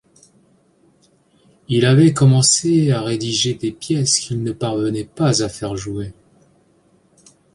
Il avait commencé à rédiger des pièces qu'il ne parvenait pas à faire jouer.